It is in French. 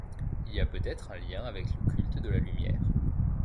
Il y a peut-être un lien avec le culte de la lumière.